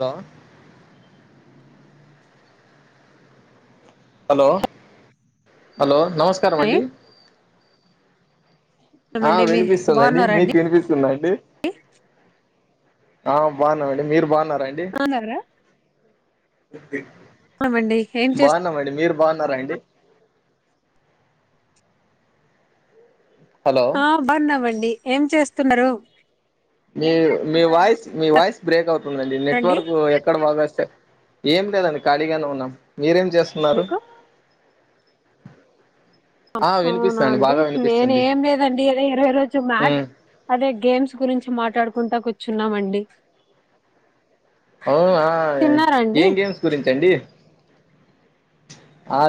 The hello hello నమస్కారం అండి ఆ ఏమండి మీ వినిపిస్తుందండి బాగున్నారండి మీక్ వినిపిస్తుందండి ఆ బాగున్నానండీ మీరు బాగున్నార బాగున్నారా ఏం చేస్త బాగున్నామండి మీరు బాగున్నారా అండి హలో ఆ బన్నామండి ఏం చేస్తున్నారు మీ మీ వాయిస్ మీ వాయిస్ బ్రేక్ అవుతుందండి రండి నెట్వర్క్ ఎక్కడ [unintelligible] ఏం లేదండి ఖాళీగానే ఉన్నాం మీరేం చేస్తున్నారు మీకు ఆ అవునా వినిపిస్తుందండి అండి బాగా నేన్ వినిపిస్తుంది ఏం లేదండి అదే ఇరవై రోజు మ్యా ఉమ్ అదే గేమ్స్ గురించి మాట్లాడుకుంటా కూర్చున్నామండి ఆవై తిన్నారండి ఏం గేమ్స్ గురించండి ఆ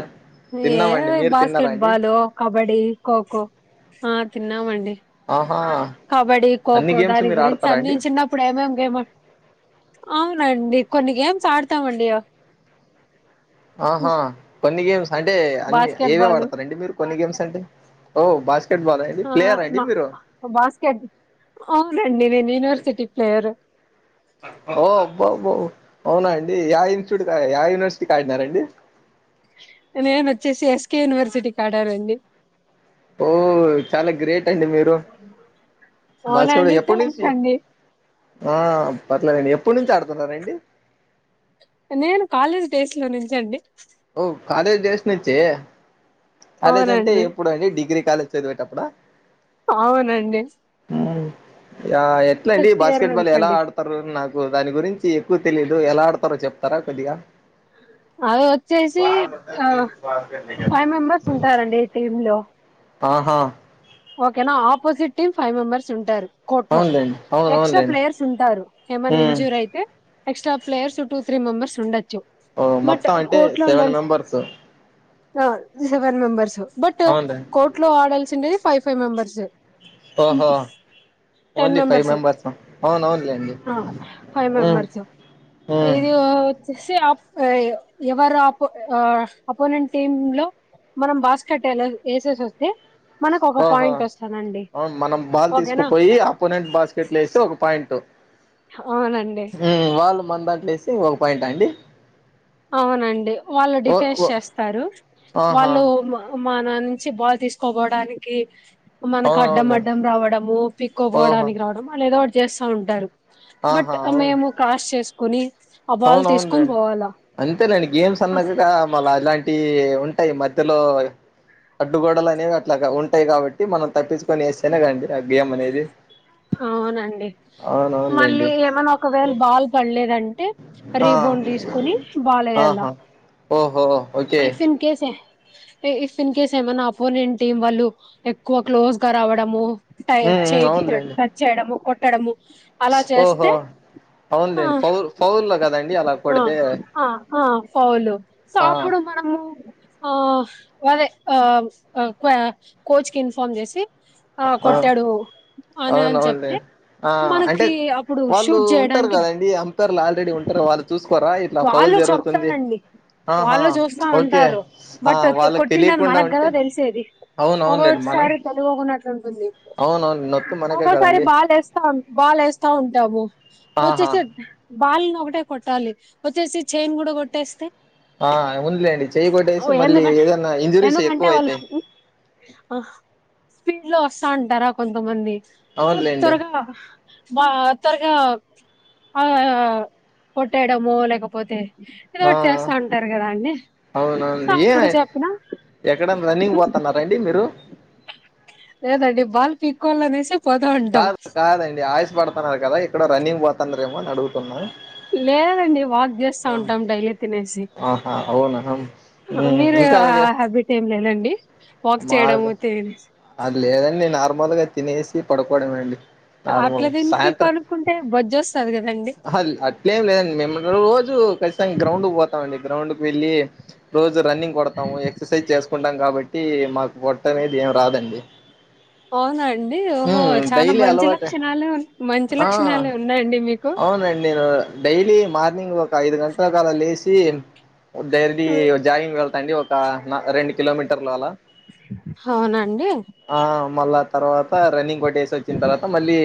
ఏ తిన్నామండి మీరు తిన్నారా అండి బాస్కెట్బాల్ లొ కబ్బడీ ఖోఖో ఆహా కబ్బాడి అన్ని ఖోఖో గేమ్స్ దాని మీరు గురించి ఆడతారా అన్ని అండి చిన్నప్పుడు ఏం ఏం గేమ్ అవునండి కొన్ని గేమ్స్ ఆడతామండి ఆహా కొన్ని గేమ్స్ అంటే అన్ని బాస్కెట్ ఏవే బాల్ వాడతారండి మీరు కొన్ని గేమ్స్ అంటే ఓ బాస్కెట్ బాల్ అండి అ ప్లేయరా అండి నా మీరు బాస్కెట్ అవునండి నేను యూనివర్సిటీ ప్లేయర్ ఓ అబ్బాబో అవునా అండి యా ఇన్స్టిట్యూట్ యా యూనివర్సిటీ ఆడినార్ అండి నేను వచ్చేసి ఎస్కే యూనివర్సిటీకి అడనంది ఓ చాలా గ్రేట్ అండి మీరు బసోడ అవునండి ఎప్పడి థ్యాంక్స్ నుంచి అండి ఆ పర్లేదండి ఎప్పుడు నుంచి ఆడుతున్నారండి నేను కాలేజ్ డేస్ లో నించండి ఓ కాలేజ్ డేస్ నించే కాలేజ్ అంటే అవునండి ఎప్పుడు అండి డిగ్రీ కాలేజ్ చెదివెటప్పుడా ఔనండి య ఎట్ల అండి ఇయర్ బాస్కెట్బాల్ నుంచి ఎలా అండి ఆడతరు నాక్ ఉవ్ దాని గురించి ఎక్కువ తెలీదు ఎలా ఆడతారో చెప్తారా కొద్దిగా అ ఒ చేసి ఆ ఫైవ్ మెంబర్స్ ఉంటారండి టీమ్ లో ఆహా ఓకెనా ఆపోజిట్ టీమ్ ఫైవ్ మెంబర్స్ ఉంటారు కోర్ట్ లో అవునులేండి అవును ఎక్స్ట్రా అవునులేండి ప్లేయర్స్ ఉంటారు ఎమన్నా ఉమ్ ఇంజూరీ అయితే extra players two three members ఉండొచ్చు ఓ బట్ మొత్తం అంటే కోర్ట్ లో సెవెన్ ఉండల్ మెంబర్స్ ఆ సెవెన్ మెంబర్స్ బట్ అవునులేండి కోర్ట్ లో ఆడల్ సుండేది ఫైవ్ ఫైవ్ మెంబర్స్ ఓహో ఓన్లీ ఫైవ్ మెంబర్స్ ఆ ఔనౌలెండి ఆ ఫైవ్ మ్ మెంబర్స్ ఇది ఓ చ్ ఇస్సి అప్ ఆ ఎవరాపో ఆ అప్ ఆ-అపోనెంట్ టీమ్ లో మనం బాస్కెట్ ఎలా ఏసేసొస్తే ఆహో అవున్ మనం బాల్ ఓకేనా తీసుకుపోయి అపోనెంట్ బాస్కెట్లేస్తే ఒక పాయింట్ ఔనండి మన్దాంట్లో ఏస్తే ఇంగోక పాయింట్ ఆ అండి అవునండి వాళ్ళు ఓ డిఫెన్స్ ఓ చేస్తారు ఆహా వాళ్ళు మ అ మననుంచి బాల్ తీసుకబోవడానికి అవునవునులే మనకడ్డమడ్డము రావడము ఓహో పిక్కోబోవడానికి రావడం అలా ఏదో ఒకటి చేస్తా ఉంటారు ఆహా బట్ అవును మేము క్రాస్ చేస్కోని ఆ బాల్ తీసుకొని పోవాలా అంతేలెండి గేమ్స్ అన్నాగా మల్లలాంటివి ఉంటాయి మధ్యలో అడ్డుగోడలనేవి అట్లాగా ఉంటాయి కాబట్టి మనం తప్పించుకొని ఏస్తేనే కాండి ఆ గేమ్ అనేది అవునండి మళ్ళీ అవునవునులేండి ఎమన్నా ఒకవేళ్ బాల్ పళ్ళేదంటే ఆ రీబౌండ్ తీసుకుని బాలెయల్ల ఆహా ఓహో ఓకే మైఫిన్ కైసే ఇ-ఇఫ్ ఇన్ కేస్ ఏమన్న అపోనెంట్ టీమ్ వాళ్ళు ఎక్కువ క్లోజ్ గా రావడము టై ఎ ఉమ్ చే ఉమ్ అవునులేండి టచ్ చేయడము కొట్టడము అలా చేస్తే ఓహో హా అవునులేండి ఫౌల్ ఫౌల్లో కదండి అలా ఆ కొడితే ఆ ఆ ఫౌలు ఆ సాప్ ప్పుడు మనము ఆ హ్ గదే ఆ అ క్వా కోచ్ కిన్ఫార్మ్ జేసి ఆ కొట్టాడు అని అని ఔనౌలేండి చెప్తే ఆ అంటే మనకి అప్పుడు వాళ్ళు షూట్ ఉంటారు చేయడానికి గదండి అంపైర్ లాల్ రే డి ఉంటరు వాళ్ వాళ్ళు చెప్పారండి ఆహా వాళ్ళు చూస్తా ఓకే ఉంటారు ఆ బట్ త్ వాళ్ళకి కొట్టిండని తెలియకుండా ఉంటే మనగ్గదా తెలిసేది అవునవునులేండి మనం ఒగొట్సారి తెలుగోగుంట అట్ల అవునవును నొత్తు మనకే ఒకోసారి కదండి బాల్ లెస్తా ఉన్ బాలెస్తా ఉంటాము ఆహా ఒచ్చేసి బాల్నొకటే కొట్టాలి ఒచ్చేసి చైన్ గుడా గొట్టేస్తే ఆ అవునులేండి చేయ్ కొట్టేసి మళ్ళీ ఎందుకంటే ఏదన్నా ఇంజురీస్ ఎక్కువైతాయ్ హా స్పీడ్ లో ఒస్తాఉంటారా కొంతమంది త్ అవునులేండి త్వరగా బా త్వరగా ఆ కొట్టేయడము లేకపోతే ఆ ఏదోటి చేస్తా ఉంటారు గదా అండి సో అప్పుడు చెప్పినా ఎక్కడన్న రన్నింగ్ బోతన్నారండి మీరు లేదండి బల్ పీక్కోవలనేసి కాదు కాదండి ఆయ్స్ బడతన్నారు కదా ఎక్కడో రన్నింగ్ బొతన్నారేమోనని అడుగుతున్నా లేదండి వాక్ జేస్తా ఉంటాం డైలీ తినేసి ఆహా అవునా హా మ్మ్ మీరె ఇంకా ఆ హ్యాబిట్ ఏం లేదండి వాక్ మా చేయడం త్ అది లేదంని నార్మల్గా తినేసి పడుకోవడమే అండి అట్ల తిని పడుకుంటే బొజ్జో ఆహా అట్లేం లేదండి మేము రోజు కచ్చితంగా గ్రౌండ్ పోతామండి గ్రౌండ్ కు వెళ్ళి రోజు రన్నింగ్ కొడతాము ఎక్సర్సైజ్ చేసుకుంటాం కాబ టి మాకు పొట్టనేది ఏం రాదండి ఔనా అండి ఓహో ఉమ్ చాలా డైలీ మంచి అలవాటే లక్షణాలే మంచి ఆ లక్షణాలే ఉన్నాయండీ మీకు అవునండి నేను డైలీ మార్నింగ్ ఒక ఐదు గంటల కల లేసి డైర్లీ జాగింగ్ వెల్ అండి ఒక నా రెండు కిలోమీటర్లు అలా హవునండి ఆ మళ్ళా తర్వాత రన్నింగ్ కొట్టేసి వచ్చిన తర్వాత మళ్ళీ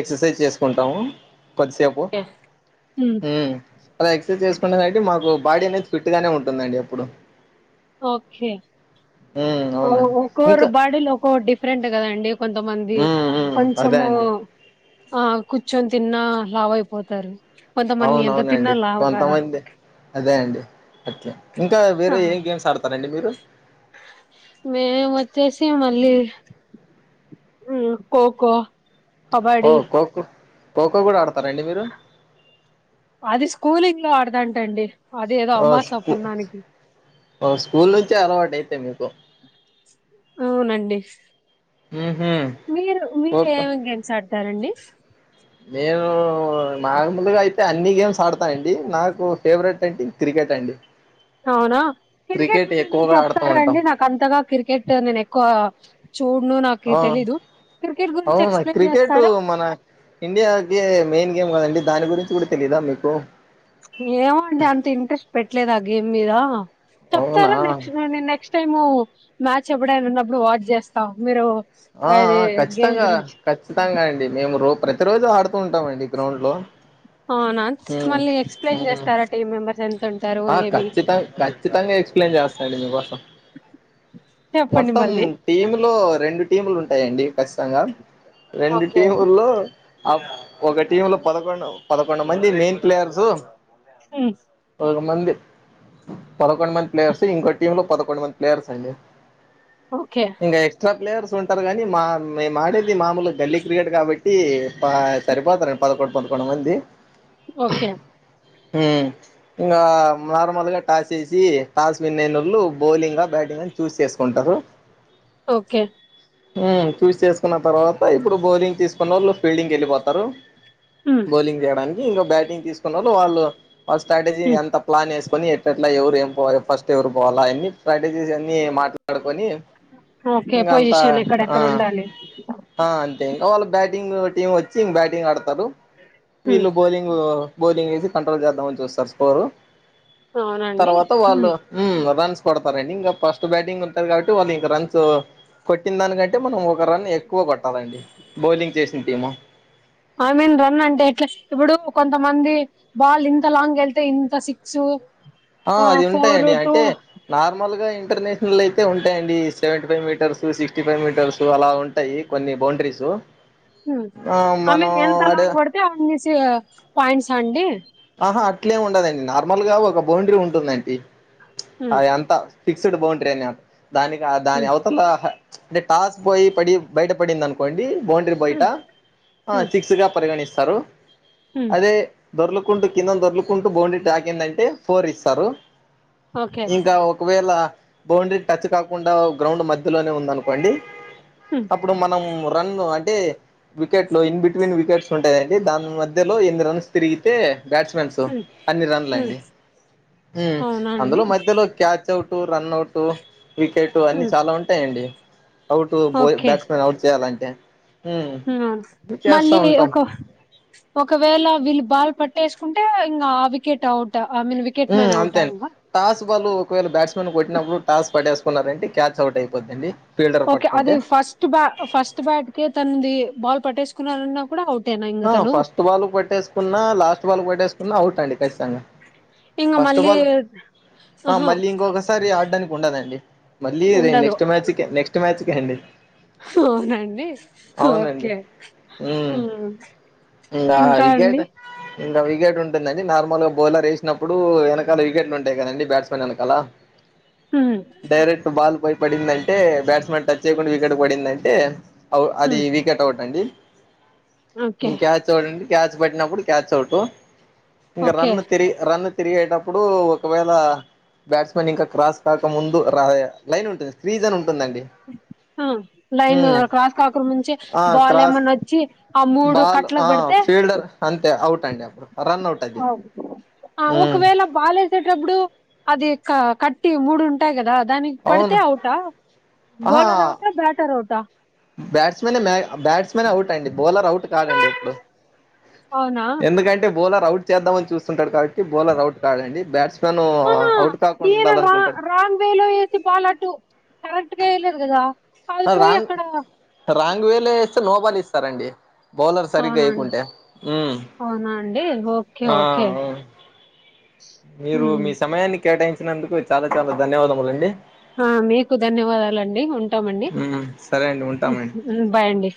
ఎక్సర్సైజ్ చేసుకుంటాము కొద్దిసేపు ఉమ్ అల ఎక్సర్సైజ్ చేసుకునేటి మాకు బాడీ అనేది ఫిట్ గానే ఉంటుందండి ఎప్పుడు ఓకే హ్మ్ అవును ఒక్కోరు ఇంకా బాడీలో ఒక్కో డిఫరెంట్ కదాండి కొంతమం ది హ్మ్ హ్మ్ అదే కొంచమూ అండి ఆ కూర్చొని తిన్నా లావయిపోతారు కొంతమంది ఎంత అవునవునండి తిన్నా లావు గారు కొంతమంది అదే అండి అట్లా ఇంకా అ వేరే ఏం గేమ్స్ ఆడతారండి మీరు మేమచ్చేసి మళ్ళీ ఊమ్ ఖో ఖో ఓ ఖోఖో ఖోఖో కూడా ఆడతారండి మీరు అది స్కూలింగ్ లో ఆడదంట అండి అది ఏదో ఓ అమాస స్కూ పున్నానికి ఓ స్కూల్ నుంచే అలవాటు అయితే మీ అవునండి ఊహూ మీరు మీరు ఖోఖో ఏమేమి గేమ్స్ ఆడతారండి నేను నార్మల్గా అయితే అన్ని గేమ్స్ ఆడతానండి నాకు ఫేవరెట్ ఏంటి క్రికెట్ అండి అవునా క్రికెట్ గురించి ఎక్కువగా ఆడుతూ ఉంటాం చెప్తారాండి నాకు అంతగా క్రికెట్ నేను ఎక్కువ చూడ్ను నాకి తెలిదు అవునా క్రికెట్ మన ఇండియాకే మెయిన్ ఏం కదండి దాని గురించి కూడా తెలీదా మీకు ఏమో అండి అంత ఇంట్రెస్ట్ పెట్టలేదు ఆ గేమ్ మీద అవునా చెప్తారా నెక్స్ట్ నె నెక్స్ట్ టైము మ్యాచ్ ఎప్పుడైనా ఉన్నప్పుడు వాచ్ చేస్తా మీరు ఆ అది ఆ గేమ్ ఖచ్చితంగా గురించి ఖచ్చితంగా అండి మేము రో ప్రతిరోజు ఆడు కుంటామండి గ్రౌండ్ లో అవునా ఊ మళ్ళీ ఊ ఎక్స్ప్లెయిన్ చేస్తారా టీమ్ మెంబర్స్ ఎంత ఉంటారు ఆ ఏమి ఖచ్చితంగా ఖచ్చితంగా ఎక్స్ప్లెయిన్ చేస్తాండి మీకోసం చెప్పండి మొత్తం మళ్ళీ టీమ్ లో రెండు టీములు ఉంటాయండి ఖచ్చితంగా రెండు ఓకే టీముల్లో అప్ ఒక టీమ్ లో పదకొండు పదకొండు మంది మెయిన్ ప్లేయర్సు ఉమ్ మంది పదకొండు మంది ప్లేయర్స్ ఇంకో టీమ్ లో పదకొండు మంది ప్లేయర్స్ అండి ఓకే ఇంగా ఎక్స్ట్రా ప్లేయర్స్ ఉంటారు కనీ మా మే మాడేది మామూలు గల్లీ క్రికెట్ కాబట్టి ప సరిపోతారండి పదకొండు పద కొండు మంది ఒకే ఊ ఇంకా నార్మల్గా టాసేసి టాస్ విన్నైనోళ్లు బౌలింగ్ బ్యాట్ చూస్ చేసుకుంటరు ఒకే చూస్ చేసుకున్న తర్వాత ఇప్పుడు బౌలింగ్ తీసుకున్నోళ్ళు ఫీల్డింగ్ కెళ్ళిపోతారు ఉమ్ బౌలింగ్ చేయడానికి ఇంకో బ్యాటింగ్ తీసుకున్నోళ్ళు వాళ్ళు వాళ్ళ స్ట్రాటజీ ఉమ్ ఎంత ప్లాన్ చే కాని ఎట్ల ఎట్లా ఎవరు ఏం పోవాలి ఫస్ట్ ఎవరు పోవాలా అవన్ని ప్రాక్టీస్ జేసి ఎ మాట్లాడుకొని ఇంగ అంత క్కరు ఉండాలి అంటే ఇంకా వాళ్ళ బ్యాటింగ్ టీమ్ వచ్చి బ్యాటింగ్ ఆడతారు ఉమ్ వీళ్ళు బౌలింగ్ బౌలింగ్ వేసి కంట్రోల్ చేద్దామని చూస్తారు స్కోరు అవునండి తర్వాత వాళ్ళు ఉమ్ మ్ రన్స్ కొడతారండి ఇంకా ఫస్ట్ బ్యాటింగ్ ఉంటది కాబట్టి వాళ్ళు ఇంక రన్స్ కొట్టిన దానికంటే మనం ఒక రన్ని ఎక్కువ కొట్టాలండి బౌలింగ్ చేసిన టీము ఐ మీన్ రన్ అంటే ఎట్లా ఇప్పుడు కొంత మంది బాల్ ఇంత లాంగ్ వెళ్తే ఇంత సిక్సు ఆ అది ఉంటాయండి అంటే నార్మల్ గా ఇంటర్నేషనల్ అయితే ఉంటాయండి seventy five metres sixty five metres అలా ఉంటాయి కొన్ని బౌండరీస్ హలో మ్ ఐ మీన్ ఎంతలాంగ్ కొడితే అన్నేసి పాయింట్స్ ఆ అండి ఆహా అట్లెం ఉండదండి నార్మల్ గా ఒక బౌండరీ ఉంటుందండి ఉమ్ అది అంతా ఫిక్స్డ్ బౌండ్రీ అని దానికి దాని ఉమ్ అవతల అంటే టాస్ పోయి పడి బయటపడింది అనుకోండి బౌండరీ బయట ఉమ్ ఉమ్ సిక్స్ గా పరిగణిస్తారు ఉమ్ అదే దొర్లు కుంటూ కింద దొర్లుకుంటూ బౌండరీ తాకిందంటే ఫోర్ ఇస్తారు ఓకే ఇంకా ఒకవేళ బౌండరీ టచ్ కాకుండా గ్రౌండ్ మధ్యలోనే ఉందనుకోండి ఉమ్ అప్పుడు మనం రన్ అంటే వికెట్ లో ఇన్ బిట్వీన్ వికెట్స్ ఉంటాయిండి దాని మధ్యలో ఎన్ని రన్స్ తిరిగి బ్యాట్స్మెన్స్ ఉమ్ అన్ని రన్లు ఉమ్ అండి మ్ అవునా అందులో అండి మధ్యలో catch out run out wicket అన్ని ఉమ్ చాలా ఉంటాయండి అవుట్ బ బ్యాట్స్మెన్ అవుట్ చేయాలంటే హ్మ్. హమ్ అన్నీ చేస్తా మళ్ళీ ఉంటాం. ఒక ఒకవేళ వీళ్ళు బాల్ పట్ వేసుకుంటే ఇంగ ఆ wicket out I mean wicket మ్ మ్యాన్ అంతే అవుటా అండి ఇంగా టాస్ బాల్ ఒకవేళ బ్యాట్స్మెన్ కొట్నప్పుడు టాస్ పట్టేసుకున్నారంటె క్యాచ్ అవుట్ అయిపోదండి ఓకే అది ఫస్ట్ బ ఫస్ట్ బ్యాట్ కి తనది బాల్ పట్టేసుకున్నారన్నా కూడా అవుట్ ఆ ఫస్ట్ బాల్ పట్టేసుకున్నా లాస్ట్ బాల్ పట్టేసుకున్నా అవుట్ అండి పట్టేసిన ఇంగ ఫస్ట్ మళ్ళీ బాల్ హ ఆహా మళ్ళీ ఇంకొకసారి ఆడటానికి ఉండదండి మళ్ళీ నెక్స్ట్ మ్యాచ్ కె నెక్స్ట్ మ్యాచ్కే అండి హా అవునండి ఓకే ఉమ్ ఇంగ వికెట్ ఇంకా వికెట్ ఉంటుందండి నార్మల్ గా బౌలర్ వేసినప్పుడు వెనకాల వికెట్లు ఉంటాయి కదండి బ్యాట్స్మెన్ వెనకాల హ్మ్ డైరెక్ట్ బాల్ పోయి పడిందంటే బ్యాట్స్మెన్ టచ్ చేయకుండా వికెట్ పడిందంటే అవు అది హ్మ్ వికెట్ అవుట్ అండి ఓకే ఇంక క్యాచ్ అవుట్ క్యాచ్ పట్టినప్పుడు క్యాచ్ అవుట్ ఇంకా ఓకే రన్ను తిరిగి రన్ను తిరిగేటప్పుడు ఒకవేళ బ్యాట్స్మెన్ ఇంకా క్రాస్ కాక ముందు రా లైన్ ఉంటంది ఫ్రీజ్ అని ఉంటు లైన్ ఉమ్ క్రాస్ కాక ముంచే ఆ బాల్ క్రాస్ ఏమన్నా వచ్చి అ బాల్ ఆ ఫీల్డర్ అంతే అవుట్ అండి అప్పుడు రన్ అవుట్ అది అఓ ఉమ్ ఒకవేళ బాలేసేటప్పుడు అది కట్టి మూడు ఉంటాయి గదా దానికి పడితే అవును అవుట బౌలర్ అవుటా బ్యాటర్ అవుటా బ్యాట్స్మనే మె బ్యాట్స్మెనే అవుట్ అండి. బౌలర్ అవుట్ కాడండి ఎప్పుడు. అవునా ఎందుకంటే బౌలర్ అవుట్ చేద్దామని చూస్తుంటాడు కా కి బౌలర్ అవుట్ కాడండి బ్యాట్స్ మెన్ ఆహా అవుట్ కాకుండా ఈయన రా ఉండాలనుకుంటాడు. రాంగ్ ఇంకేయలేదు గదా అయిపోయి రాంగ్ అక్కడ రాంగ్ వే లో వేస్తే నోబాల్‌ ఇస్తారండి బౌలర్ సరిగ్గా అవునా అండి యేయకుంటే మ్ అవునా అండి ఓకే ఆహ్ ఓకే ఆ మీరు ఉమ్. మీ సమయాన్ని కేటాయించినందుకు చాలా చాలా ధన్యవాదములండి ఆహ్ మీకు ధన్యవాదాలండి. టామండి ఉమ్ సరే అండి ఉంటామండి బాయ్ అండి